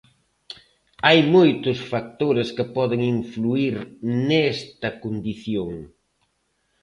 Hai moitos factores que poden influír nesta condición.